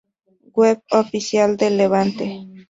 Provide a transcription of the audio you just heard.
Web oficial del Levante